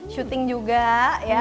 shooting juga ya